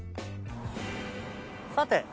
さて。